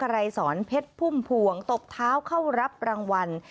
ไรสอนเพชรพุ่มพวงตบเท้าเข้ารับรางวัล